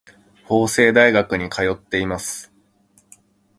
法政大学に通っています。